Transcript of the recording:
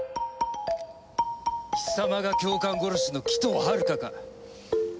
貴様が教官殺しの鬼頭はるかか。